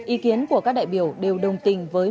ý kiến của các đại biểu đều đồng tình với